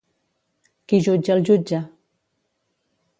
Qui jutja el jutge?